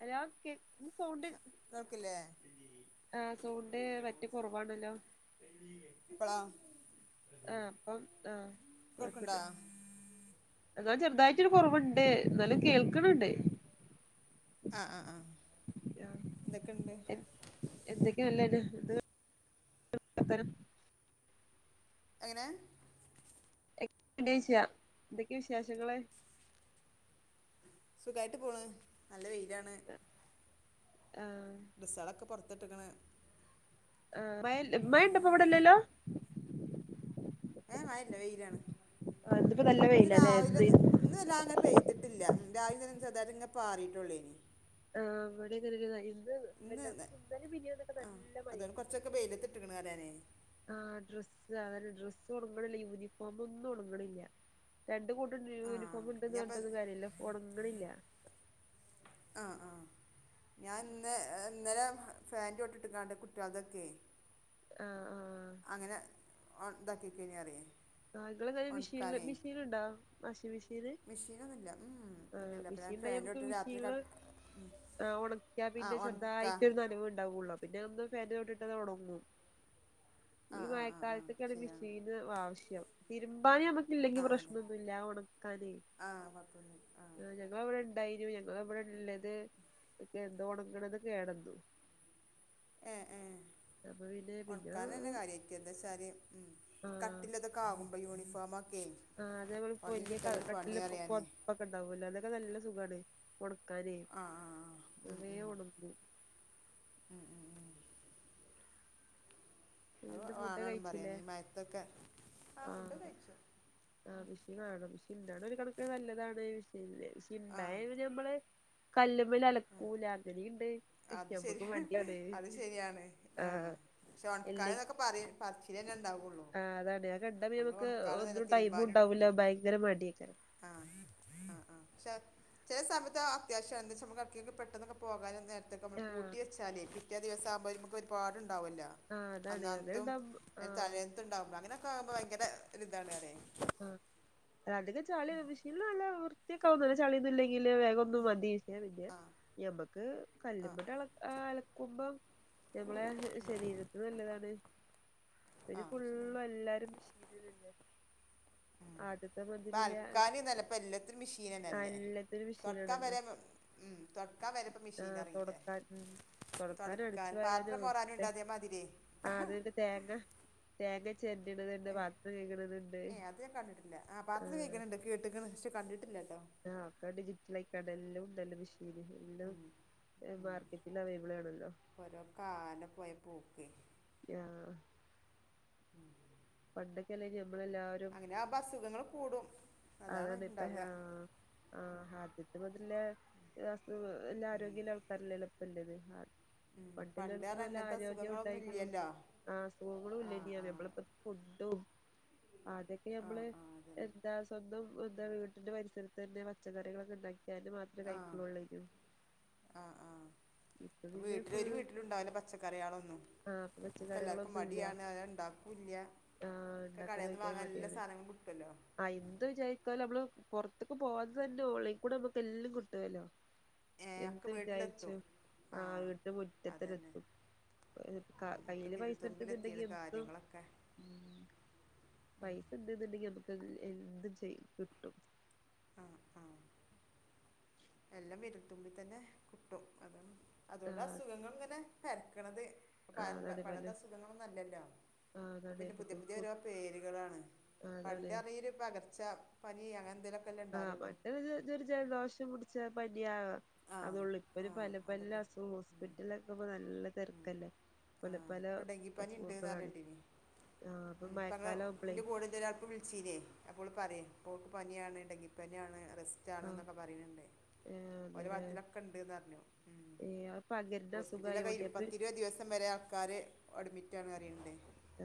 Hello കേക്ക് sound കേൾക്കില്ലേ ആഹ് സൗണ്ട് പറ്റെ കൊറവാണല്ലൊ ഇപ്പളാ ആഹ് അപ്പം ആഹ് കേൾക്കണ്ടാ കൊഴപ്പണ്ട് എന്തോ ചെർതായിട്ടൊര് കൊറവ്ണ്ട് ന്നാലും കേൾക്ക്ണ്‌ണ്ട് അഹ് അഹ് ന്തെക്കെണ്ട് ഇത് [unintelligible] എങ്ങ്നെ [unintelligible] എന്തൊക്കെ വിഷാശങ്ങൾ സുഖായിട്ട് പോണ് നല്ല വെയില് യെണ് ആഹ് ഡ്രസ്സേളൊക്കെ പൊറ്ത്ത്ട്ട്ക്ണ് അഹ് മഴണ്ടൊപ വിടല്ലെല്ലൊ ഇന്ന് മഴല്ല വെയ്ലാണ് ഇന്ന്പ്പോ നല്ല ഇന്ന് വെയിലാല്ലേ രാവിലെ ഇന്ന് ന്ന് ഇന്ന് രാ ങ്ങനെ പെയ്ത് ട്ട്ല്ല ഉം രാവി ലെ [unintelligible] ഇങ്ങ പാറീട്ടുള്ളേനി ആ [unintelligible] ഇന്ന്ന്ന് ആ അതെ മഴയായിരുന്നു കൊറച്ചൊക്കെ ബേയ്ലത്തിട്ട്ക്കണ് അറിയാണെ ഒണങ്ങണില്ല യൂനിഫോമൊന്നു ഒണങ്ങില്ല രണ്ടുകൂ ആഹ് രൻ്റ്യൂനിഫോം ണ്ടെന്ന് ഞാൻപ്പ പർൺട്ടൊന്നും കാര്യല്ല ഒണങ്ങണില്ലാ ആ ആ ഞാൻന്നേ ഇന്നേ ഇന്നലെ ഫാന്റോട്ടിട്ട്ക്കാണ്ട് കുട്ടിയോൾതൊക്കെ ആ ആ അങ്ങനെ ഓൺ താക്കിക്കയിഞ്ഞാലേ ആ ഇങ്ങളെങ്ങനെ മഷീൻല് മിഷീന്ണ്ടാ വാഷിംഗ് മിഷീന് മെഷീനൊന്നുമില്ല ആ ഇല്ലില്ല അപ്പം ഞാൻ മെഷീൻണ്ടെ ഫാൻ്റെ ഞമക്ക് തൊട്ട് രാത്രി കട മിഷീനില് ആ ഒണക്കിയാ ആ പിന്നെ ഉണക്ക ശെർദ്ധായിട്ടൊരു നനവ്ണ്ടാവൊള്ളൂ പിന്നെ ഒന്ന് ഫാനിന്റെ ചോട്ടിൽ ഇട്ടാലത് ഉണങ്ങും ആ ഈ ആ ആ ആ മഴക്കാലത്ത്ക്കാണ് ശരിയാണ് മിഷീന് വാവവശ്യ തിരുമ്പാനെ നമ്മക്ക് ഇല്ലെങ്കി ആ അതെ പ്രശ്നന്നുല്ല ഉണക്കാനേ ആ കുഴപ്പമൊന്നും ആ ഞങ്ങളെ വിടെ ണ്ടായിനു ആ ഇവ്ടെ ല്ലത് എന്തോ ഒണങ്ങണത് കേടന്നു എ ഏ അപ്പൊ പിന്നെ പിന്നെ ഒണക്കാൻ തന്നെ കാര്യായിട്ട് എന്താച്ചാല് കട്ടിള്ളതക്കാവുമ്പോ യുണി.... ഫോമൊക് ആ അതേപോലെ പൊ വല്യ ക പണി കട്ടിള്ള പൊ അറിയാനേ പുപ്പൊക്കെ ണ്ടാവല്ലോ അല്ലൻകെ നല്ല സുഖാണ് ഒണ്... ക്കാനേ ആ ആ ആ. ഉം, ഉം. ന്നവേഗം ഒണങ്ങും ഉം, ഉം, ഉം. പിന്ന അത് എന്താ ഫുഡ് വേണമെന്ന് പറയാൻ കഴിച്ചില്ലേ ഈ മയത്തൊക്കെ ആ ഫുഡ് കഴിച്ചു ആ മീ ഷീൻ വേണം മെഷീൻണ്ടാവുന്നത് ഒരു കണകക്കിന്ന് നല്ലതാണ് ആ മെഷീൻണ്ടായാൽ പിന്നെ നമ്മള് കല്ല്.. കല്ലിമേൽ അലക്കൂല അങ്ങനെയുണ്ട് അത് ശരി ഞമ്മക്ക് മടിയാണ് അത് ശരിയാണ് ആഹ് ആ കായതൊക്കെ പറി പറിച്ച് [unintelligible] ആ അതാണ് ഞാൻ കണ്ട നമക്ക് ഒന്നും ടൈമ തിരുമ്പാനും എടുക്കും ഉണ്ടാവൂല ഭയങ്കര മടയാക്കാരം ക്ക ആ ആ പക്ഷെ ചില സമയത്ത് അത്യാവശ്യമാണ് എന്ത വെച്ചാ നമുക്കക്ക് ആർക്കെങ്കിലും പോകാനും പോകാനും നമ്മൾ ആഹ് കൂട്ട വൊ [unintelligible] ലേ പിറ്റേന്ന് ദിവസകുമ്പോ നമുക്ക് ഒരുപാട് ഉണ്ടാവല്ലോ ആഹ് അതാണ് അന്നത്തും അങ്ങനെണ്ടാവുമ്പോ അതിന്റെ ആഹ് തലേനത്തതും [unintelligible] അങ്ങനെയൊക്കെ ആകുമ്പോൾ ഭയങ്കര ഒരു ഇതാണ് റിയാ ആഹ അധികെ ചാളിയ വിഷയല്ല അല്ല വൃത്തിയക്ക ഒന്നല്ല ചളിയന്നില്ലെങ്കില് വേഗ ഒന്നും മതി പിന്നെ ഞമ്മക്ക് കല്ലുമ്പ അ കുംഭം ഞമ്മളെ ശരീരത്തി നല്ലതാണ് ഇത് ആഹ് ശരിയാണ് ഫുള്ളും എല്ലാരും മിശീരിലല്ലേ ഉം ഇപ്പ അൽക്കാനന്നല്ലപ്പ എല്ലാത്തിും മെഷീൻ ആ തന്നെല്ലേ എല്ലാത്തിനും തൊടക്കാൻ മെഷീനാണല്ലോ വരെ ഉം തൊടക്കാൻ വരെപ്പ ആ മെഷീൻ ഇറിങ്ങല്ലേ തൊടക്കാൻ ഉം തൊടക്കാനും അടിച്ചു തൊടക്കാൻ വാരാനും പാത്രം മഓറാനും ഒക്കെ ഇണ്ടാതി മതിരേ [unintelligible] ചെല്ലണത്ണ്ട് പത്രം കേങ്ങണണ്ട് [unintelligible] ഇല്ല ആ പാത്ര കേൾക്കണണ്ട് കേട്ടക്ക ശ കണ്ടിട്ട് [unintelligible] ആക്കെ ഡിജിറ്റലായി ക [unintelligible] ടലിലും [unintelligible] ശരി ഇും മാർക്കറ്റിൽ അവൈലബിൾ ആണല്ലോ ഓരോ കാലം പോയ പൂക്ക് ആ [unintelligible] പടക്കില [unintelligible] അങ്ങനെ ആ അസുഖങ്ങള്ൾ കൂടും അതാണ് ഇപ്പൊ ആഹ ആ ആദ്യത്തെ മുതല് [inaudible] എല്ലാ ആരോഗ്യല്ല ആൾക്കാരല്ലപ്പം പില്ലത് [unintelligible] ഹാ ഉം, പണ്ട് പണ്ടുള്ളടുക്ക അത് നല്ല അങ്ങനത്തെ ആരോഗ്യം അസുഖങ്ങളൊന്നും ഉണ്ടായിരുന്നു ഇല്ലല്ലോ അസുഖങ്ങളും ആ ഇല്ലനിയ ആ നമ്മളിപ്പോ ഫുഡും അതൊക്കെ ആ നമ്മള് ആ അതന്നെ എന്താ എന്താ വീട്ടിന്റെ പരിസരത്ത് തന്നെ പച്ചക്കറികളൊക്കെ ഉണ്ടാക്കി [unintelligible] മാത്രമേ ആ കഴിക്കലൊള്ളുഅയ്നി പ്പൊ വീട്ടിലൊരു ഒരു വീട്ടിലും ഇണ്ടാവല്ല പച്ചക്കറിയാളൊന്നും ആ ഇപ്പൊ ക്ക എല്ലാർക്കും പച്ചക്കറികളൊന്നും ഇല്ല മടിയാണ് അ ഇണ്ടാക്കുല്ല്യ. ആ ഒക്കെ ഉണ്ടാക്കാൻ കടയിൽന്ന് ഭയങ്കര വാങ്ങാൻ എല്ല മടിയാണ് സാധനങ്ങളും കിട്ടല്ലോ പുറത്ത്ക്ക് പോവാതെന്നെ ഓൺലൈൻ കൂടെ നമ്മുക്ക് എല്ലാം കിട്ടുവല്ലോ ഏ ഒക്കെ എന്ത് വിചാരിച്ചു വീട്ടിലെത്തും ആ വീടിന്റെ മുറ്റത്തെന്നെ അതന്നെ എത്തും. ഉം, ഒക്കെ കയ്യില് പൈസ ഇണ്ടുന്നുണ്ടെങ്കി വിരൽത്തുമ്പിലെത്തിയാണ് എന്തും കാര്യങ്ങളൊക്കെ ഉ പൈസ ഇണ്ട്‌ന്ന്ണ്ടെങ്ക ക്ക് എന്തും ചെയ് കിട്ടും ആഹ ആഹ എല്ലാം വിരൽത്തുമ്പിൽ തന്നെ കിട്ടും അത ആ അതുകൊണ്ട്‌ അസുഖങ്ങൾ ഇങ്ങനെ പെര്ക്ക്ണത് ആ പഴബ അതാണ് പറഞ്ഞെ പണ്ടത്തെ അസുഖങ്ങളൊന്നുല്ലല്ലോ ആഹ് ഇപ്പൊ അതാണ് പിന്നെ പുതിയ പുതിയ ബുദ്ധിമുട്ട് ഓരോ പേരുകളാണ് ആഹ് അതാണ് പണ്ട് ആ പേര് പകർച്ച ഇ അങ്ങനെന്തേലോ ആഹ് പെട്ടെന്ന് ഒര് ജലദോഷം പുട് [unintelligible] ആ അതുള്ളു ഇപ്പന ആ പല പല അതൊക്കെ അസുഖം ഹോസ്പിറ്റലക്കുമ്പോ നല്ല തിരക്കല്ലേ ആ പല പല ഇപ്പം ഡെങ്കിപ്പനി ഉണ്ട് എന്ന് അസുഖങ്ങളാണ് പറഞ്ഞിട്ടിനി ആഹ് അപ്പൊ പറഞ്ഞ മഴക്കാലം ആവുമ്പളേ ഇപ്പോൾ പറയും ഓൾക്ക് പനിയാണ് ഡങ്കിപ്പനിയാണ് അ റസ്റ്റാണ് ആഹ് എന്നൊക്കെ പറിണ് ണ്ട് ഏഹ് ഓര അങ്ങനെ ഭാഗത്തിലക്കണ്ട്ന്ന് പറഞ്ഞു ഏഹ് അത് പകരുന്ന ഹോസ്പിറ്റലൊക്കെ അസുഖായോണ്ടേ അപ്പ പത്തിരുപത് ദിവസം വരെ ആൾക്കാര് അഡ്മിട്ടാണെന്ന് അറിയണ്ണ്ടേയ് ആ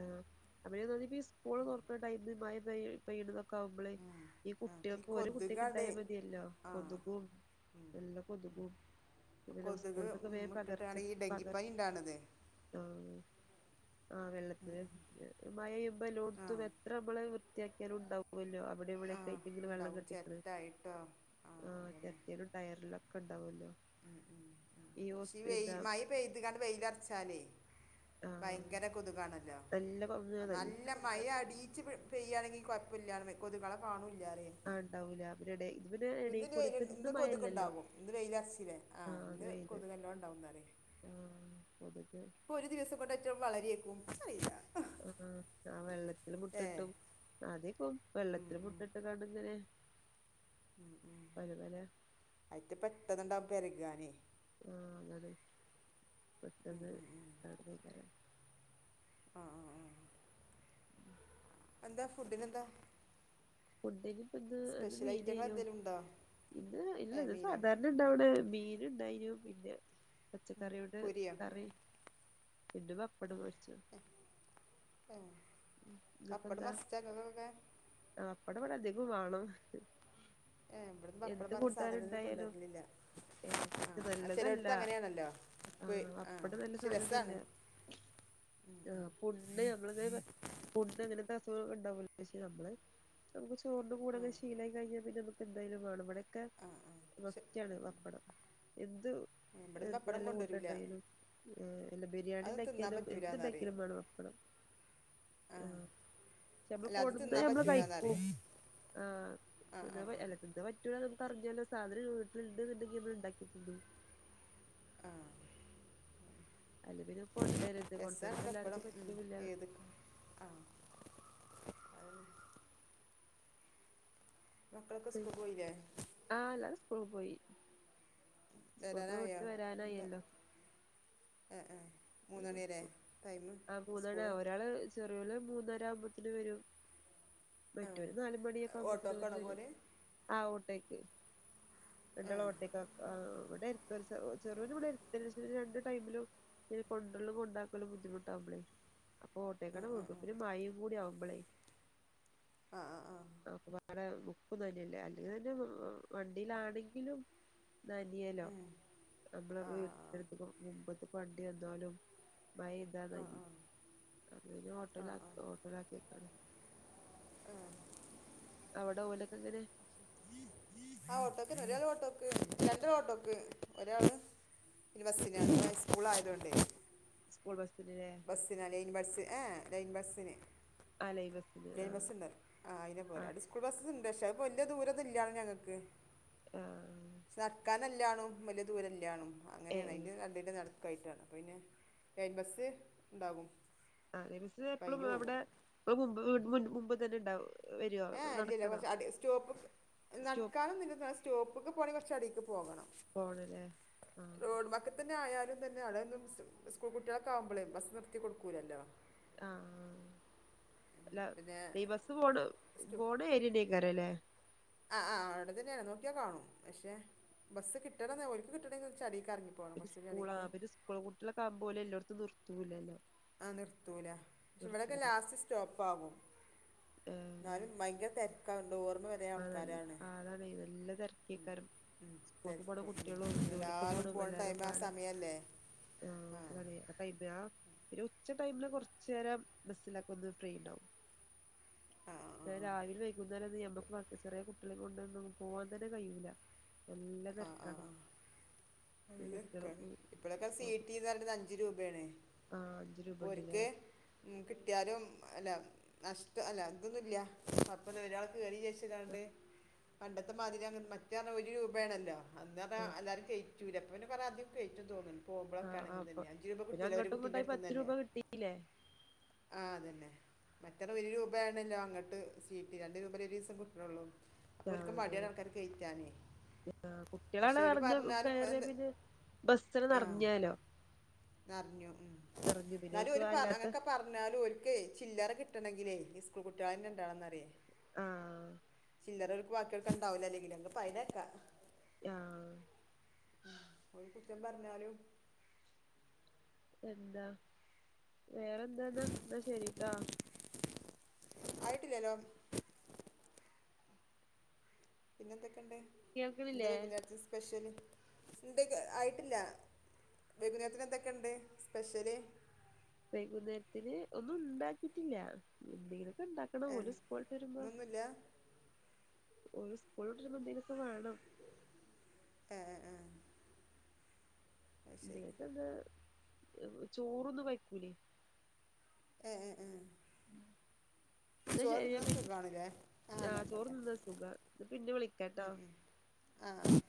അപ്പഴന്ന് പറയുമ്പോ ഈ സ്കൂള് തൊറക്കാണ ടൈമിന് മഴപെയ്യ് പെയ്യണതോ മഴെക്ക ആവുമ്പളെ ആ ഈ അപ്പം ഈ കുട്ടികൾക്ക് ഒരു കുട്ടിക്ക് കൊതുകാണ്ട് ഇണ്ടായാൽ മതിയല്ലോ ആ കൊതുകും നല്ല കൊതുകും ഇപ്പം പിന്നെ ഉ കൊതുക് സ്കൂള്ന്നൊക്കെ ഉം, വേഗം പകർച്ച ഇട്ടിട്ടാണ് ഈ പക ഡെങ്കിപ്പനി ഉണ്ടാണത് ആ ആ വെള്ളത്തി ആ മഴയുമ്പല്ലോടുത്തും എത്ര നമ്മള് വൃത്തിയാക്കിയാലും ഉണ്ടാവൂല്ലോ അവിടെം ആ ഇവിടെം [unintelligible] വെള്ളം ഉണ്ടാവും കെട്ടിക്കണ് ചിരട്ടായിട്ടോ ആ ചെരട്ടേലും ടയറിലൊക്കണ്ടാവൂല്ലോ ഉം ഉം ഉം പക്ഷേ വെ മഴ പെയ്ത്ങ്ങാണ്ട് വെയിലറച്ചാലെ ആ ഭയങ്കര കൊതുകാണ് നല്ല കൊതുകാ [unintelligible] നല്ല മഴ കൊതുകാണ് അടീച്ച് പെ പെയ്യാണെങ്കിൽ കൊഴ ല്ലാന്ന് കൊതുകളെ കാണൂല്ലാ ആഹ് ഇണ്ടാവൂല വരുടെ ഇന്നെനി വെയി ഇന്ന് കൊതുകുണ്ടാവും ഇന്ന് വെയിലറച്ചിലേ ആ ആഹ് അത് ഇന്ന് വെയില് കൊതുക് നല്ലോണ്ടാവുന്നാല് ആ കൊതുക് ഇപ്പൊ ഒരു ദിവസ കൊണ്ട് അയ്റ്റ് ള് വളരെ ക്ക്വയ്യ ആഹ് ആ വെള്ളത്തി അതിൽ മുട്ടട്ടും അതീ പോവും വെള്ളത്തില് മുട്ടിട്ട് കാണുന്നെ [unintelligible] ഉം ഉം അയിത് പ ട്ടതിണ്ടാവു പെരകാനേ ആഹ് അങ്ങട് പെട്ടെന്ന് [unintelligible] ആ ആ ആ എന്താ ഫുഡിനെന്താ? ഫുഡ്‌ഡി ഇന്ന് അത് സ്പെഷ്യൽ ഐറ്റങ്ങൾ മീനായിനു എന്തെങ്കിലും ഉണ്ടോ ഇന്ന് ഇല്ല ഏ ഇത് മീനോ സാധാരണ ഇണ്ടാവണ മീൻ ഇണ്ടായിനു ഇല്ല പച്ചക്കറിയോണ്ട് പൊരിയോ കറി പിന്നെ പപ്പടം പൊരിച്ചു ഏ പപ്പടം ഇന്നിപ്പെന്താ മസ്റ്റാക്കൊക്കെ ആ പപ്പടവിടണ്ട് ക്കും വാണം ഏ ഇവിട പപ്പടം എന്ത് പറഞ്ഞ സാധനൊന്നെ കൂട്ടാനുണ്ടായാലും കൊണ്ടുവരലില്ല ആ ഏഹ് ആ നല്ലതല്ല ചെലടുത്ത് അങ്ങനെയാണല്ലോ ഇപ്പ ആഹ് ആ പപ്പടം നല്ല ശെ സാധനൊന്നല്ല രസാണ് ഉം ണ്ട് അങ്ങനത്തെ അസുഖ ഉണ്ടാവല്ലോ പക്ഷെ നമ്മള് ചോറിൻ്റെ കൂടെക്കെ ശീലായി കഴിഞ്ഞാ പിന്നെ എന്തായാലും വാണം ഇവിടെ ഒക്കെ ആ ആ പക്ഷെ മസ്റ്റാണ് പപ്പടം എം ഇവിടുന്ന് എന്ത് പപ്പടം കൊണ്ടുവരില്ല നല്ലകൂട്ടാൻണ്ടായാലും എല്ലാ ബിരിയാണി അത് തിന്നാൻ ഉണ്ടാക്കിയാലും പറ്റൂലെന്നറിയും എന്തുണ്ടാക്കിയാലും വേണം പപ്പടം ആ ആഹ് നമ്മള് അല്ല അത് കൊട്ന്ന തിന്നാൻ നമ്മള് കയിക്കു പറ്റൂലെന്നറിയും ആഹ് ആ ആ തിന്നാ ആ അല്ല തിന്ന പറ്റ അർജൻ്റൊരു സാധനം വീട്ടില്ണ്ട്ന്നുണ്ടെങ്കി നമ്മൾ ഉണ്ടാക്കി തിന്നു ആഹ് അല്ല പിന്നെ കൊണ്ടരരുത് കൊണ്ടുവരുമ്പോ രസണ്ട് എപ്പളും എല്ലാർക്കും ഉം പറ്റൂല്ല ഏത് ആഹ് മക്കളൊക്കെ സ്കൂൾ പോയില്ലേ സ്‌കൂളി പോയി സ്‌കൂൾ ഇപ്പോ വിട്ട് വരാനായോ എന്താ വരാനായില്ലോ ഏ ഏ മൂന്നണി വരെ ടൈം ആ മൂന്നണ സ്കൂള് ഒരാള് ചെറിയല്ല മൂന്ന- ന്നരാവ്മ്പോത്ത്നും വരും. ആ മറ്റോരു നാലു മണിയൊക്കെ ആവുമ്പോത്തിന് ഓലും ഓട്ടോക്കാണോ വരും. പോലെ ആവ് ട്ടോയ്ക് ആ രണ്ടാള് ഓട്ടെയ്ക്കാ ആഹ് ഇവടിം ചെ ചെറ്യോന് ഇവിടെ എട്ത്തന്നെ. [unintelligible] രണ്ട് ടൈമിലും [inaudible] കൊണ്ടര്ലും കൊണ്ടാക്കലും ബുദ്ധിമുട്ടാവ്മ്പളെ അപ്പൊ ആ ഒട്ടേക്കാണ്ട് ആ വിടും. പിന്നെ ആ മഴിം കൂടി ആവു മ്പളേ ആ ആ ആ ഒക്കെ പാടെ ബുക്കും നന്യല്ലേ. അല്ലെങ്കിൽ തന്നെ വണ്ടിയിലാണെങ്കിലും നനിയെലോ നമ്മളെ ആഹ് വീട്ൻ്റെ എട്ത്ത്ക്കും മുമ്പത്ത്ക്കും വ എന്നാലും മയ പെയ്താ ആഹ് നനിം. ആഹ് അത് [unintelligible] ഓട്ടോലാ ആഹ് ആഹ് ഓട്ടോലാക്കിയേക്കാണ്. അവിടെ ഓലക്കെങ്ങനെ? ആ ഓട്ടോക്കന്നെ. ഒരാൾ ഓട്ടോക്ക് രണ്ടാള് ഓട്ടോക്ക്. ഒരാള് സ്കൂൾ ബസ്സിനാണ്. ഹൈസ്കൂൾ ആയതോണ്ടേ. സ്കൂൾ ബസ് ബസ്സിനാ ലൈൻ ലൈൻ ബസ് ഏ ലൈൻ ബസിന് ആ ലൈൻ ബസ്സിന് ലൈൻ ആ ബസ്ണ്ട് ആ അയിനാ പോവല് ആ അടെ സ്കൂൾ ബസ് ക്ഷെ അതിപ്പം വല്യ ദൂരൊന്നും ഇല്ല ഞങ്ങക്ക് ആ സർക്കാ ല്ലാണും വലിയ ദൂരല്ലാണും ഏ അങ്ങനെയാണ് അതിന്റെ രണ്ടിന്റെ നടു കൈറ്റാണ് അപ്പ പിന്നെ ലൈൻ ബസ്സ് ണ്ടാകും ആ [unintelligible] എപ്പളും അവിടെ [unintelligible] മുമ്പ് തന്നെ ഇണ്ടാവും ഏ ഇല്ലല്ല കൊറച്ച് അധി സ്റ്റോപ്പ് സ്റ്റോപ്പ് നടക്കാനൊന്നുല്ല ന്നാലും സ്റ്റോപ്പ്ക്ക് പോണെങ്കി കൊ ക്ഷടിക്കും പോകണം പോണല്ലേ ആ റോഡ് വക്കതന്നെ ആയാലും തന്നെ അവ്ടൊന്നും സ് സ്കൂൾ കുട്ടികളൊക്കെ ആകുബളെയ് ബസ് നിത്തി കൊടുക്കൂലല്ലോ ആ അല്ല പിന്നെ ഈ ബസ് പോണ സ്റ്റു പോണ ഏര്യാന്നെ ക്കാരം ല്ലേ ആ ആ അവിടെ തന്നെയാണ് നോക്കിയാ കാണും പക്ഷെ ബസ് കിട്ടണ ഓര്ക്ക് കിട്ടണെങ്കി കൊർച് അടി സ്കൂള പിന്നെ സ്കൂൾ കുട്ടികളെ ആക്കോ ഓല് എല്ലോടത്തും നിർ തൂലല്ലോ ആഹ നിർത്തൂല പക്ഷെ ഇവിളൊക്കെ ലാസ്റ്റ് സ്റ്റോപ്പ് ആകും എന്നാലും ഭയങ്കര തെര ക്ക ഡോർ ആ അതാണ് നല്ല തെരക്കേക്കാരം ഉം, സ്കൂൾക്കു പോണ തിരക്ക് ഉം. കുട്ടികളും ജോലിക്ക് എല്ലാവരും പോകണം പോണ ടൈം ആ എല്ലാരുംപാടെ സമയമല്ലേ ആ ആ ഇതാണ് ഒരു ഉച്ച ടൈമില് കൊറച്ചു നേരം ബസ്സിലൊക്ക്ക്കൊന്ന് ഫ്രീ ഉണ്ടാവും ആ ആ ആ രാവിലിം വൈകുന്നേരംന്നും നമ്മക്ക് ചെറിയ കുട്ടികളെ കൊണ്ടെന്നും പോവാൻ തന്നെ കയ്യൂല ആഹ ആ ആ ഈ അതക്ക കുട്ടികൾക്ക് ഇപ്പഴൊക്കെ സ്കൂൾക്ക് സീട്ടീന്ന് പറണത് അഞ്ചു രൂപയാണേ ആഹ് അഞ്ച് രൂപ ഉണ്ടല്ലേ ഓര്ക്ക്‌ മ് കിട്ടിയാലും അല്ല നഷ്ടം അല്ല തൊന്നുല്ല അപ്പ ഒരാൾ കേറി വിചാരിച് [unintelligible] പണ്ടത്തെ മാതിരി അങ് മാറ്റാറഞ്ഞ ഒരു രൂ വേണല്ലോ അന്നർഞ ആഹ് എല്ലാരും ക ചുരപ്പന് കൊറെ ആദ്യം കയറ്റും തോന്നുന്നു പോകുമ്പളൊക്കെ ആഹ് അങ്ങനെ അപ്പൊ തന്നെ അഞ്ചു രൂപ പിന്നെ കിട്ടൂല്ല ഒരു അങ്ങോട്ടും കുട്ടിന്റെ ഇങ്ങോട്ടായി അടുത്തന്ന് പത്ത് തന്നെ രൂപ കിട്ടിയില്ലേ ആ അതന്നെ മറ്റേന്ന ഒരു രൂപയാണല്ലോ അങ്ങോട്ട് സീട്ടി രണ്ട് രൂപ ല്ലേ ഒരു ദിവസം കിട്ടണ് ള്ളൂ പ്പൊ ആഹ് ഓൽക്ക് അതെ മടിയാണ് ആൾക്കാരെ കഴറ്റാനേ കുട്ടികളാണ് പക്ഷെ ഓല് നിറഞ്ഞ പറഞ്ഞാലും കയറിയ എന്ത് പിന്നെ ബസ്സിന് ആ നിറഞ്ഞാലോ നർഞ്ഞു നിറഞ്ഞു പിന്നെ ന്നാലും ഓൽക്ക് ഓല് ഒ പ അല്ലാത്ത അങ്ങനൊക്കെ പറഞ്ഞാലും ഓൽക്കെ ചില്ല- റ കിട്ടണെങ്കിലെ ഈ സ്കൂൾ കുട്ടികളന്നെ ഇണ്ടണം അറിയേ ആ ചില്ലറ ഓൽക്ക് ബാക്കി കൊടുക്കാൻ ഉണ്ടാവൂല അല്ലെങ്കിലും ന്ന് പരണക്കാ ആ ഓല് കുറ്റം പറഞ്ഞാലും എന്താ വേറെന്താന്നാ എന്ന ശെരി ട്ടൊ ആയിട്ടില്ലല്ലോ പിന്നൊന്തെക്കെ എന്താ കേൾക്കണില്ലേ വൈകുന്നേരത്തെ സ്പെഷ്യല് എന്തൊക്ക ആയിട്ടില്ല വെകുന്നേരത്തിന് എന്തൊക്കെണ്ട് സ്പെഷ്യല് വൈകുന്നേരത്തിന് ഒന്നും ഉണ്ടാക്കിട്ടില്ല എന്തെങ്കിലും ഇ ഇണ്ടാക്കണ ഓല് സ്കൂൾ വിട്ട് വരുമ്പോ ഇന്നൊന്നുമില്ല ഓല് സ്കൂള് വിട്ട് വരുമ്പോത്തിനു ന്തേലൊക്കെ വാണം ഏ ആ ആ [unintelligible] ചോറൊന്നും വെയ്കൂലേ ഏ അ അ എന്നാ ശരി ഞാൻ ചോറുണ്ണാൻ പി സുഖാണല്ലേ ആ ആഹ് ചോറ് നോക്കട്ടെ തിന്നാ സുഖാ എന്നാ പിന്നെ വിളിക്കാട്ടോ മ് മ് ആ ആ